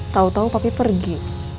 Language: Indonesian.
tau tau papi pergi